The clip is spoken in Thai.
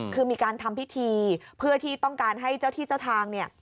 คือมีการทำพิธีเพื่อที่ต้องการให้เจ้าที่เจ้าทางเนี่ย